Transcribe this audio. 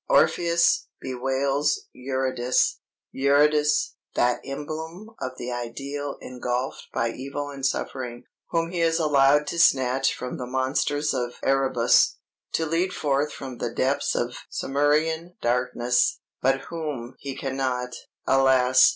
Orpheus bewails Eurydice Eurydice, that emblem of the Ideal engulfed by evil and suffering, whom he is allowed to snatch from the monsters of Erebus, to lead forth from the depths of Cimmerian darkness, but whom he cannot, alas!